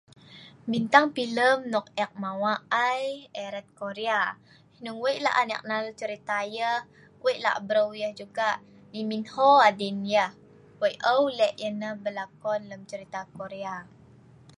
bintang filem nok ek mawa' ai erat Korea hnung weik la'an ek nal cerita yeh weik lak breu yeh juga Lee Min Ho adin yeh weik eu lek yeh neh berlakon lem cerita Korea